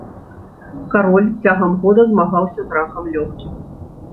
Кароль цягам года змагаўся з ракам лёгкіх.